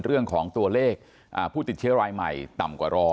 เรื่องของตัวเลขผู้ติดเชื้อรายใหม่ต่ำกว่า๑๐๐